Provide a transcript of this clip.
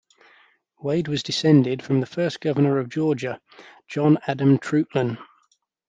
Wade was descended from the first governor of Georgia, John Adam Treutlen.